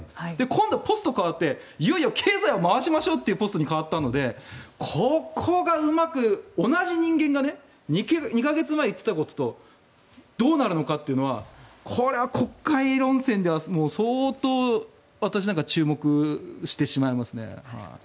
今度、ポストが変わって回しましょうというポストに変わったのでここがうまく同じ人間が２か月前に言っていたこととどうなるのかというのはこれは国会論戦では相当私なんか注目してしまいますね。